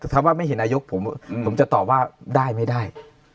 ถ้าว่าไม่เห็นนายกผมจะตอบว่าได้ไม่ได้